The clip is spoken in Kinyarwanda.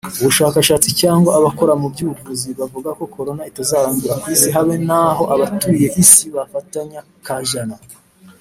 ubushakashatsi cyangwa abakora mu by ubuvuzi bavugako corona itazarangira ku isi habe naho abatuye isi bafatanya kajana